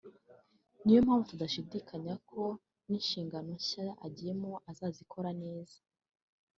niyo mpamvu tudashidikanya ko n’inshingano nshya agiyemo azazikora neza